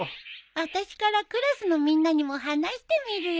あたしからクラスのみんなにも話してみるよ。